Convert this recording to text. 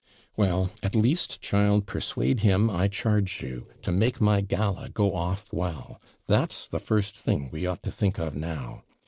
'Well, at least, child, persuade him, I charge you, to make my gala go off well. That's the first thing we ought to think of now.